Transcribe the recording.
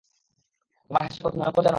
তোমার হাসি কতো ভয়ংকর জানো?